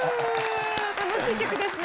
楽しい曲ですね。